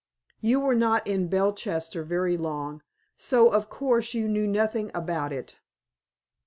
You were not in Belchester very long, so of course you knew nothing about it."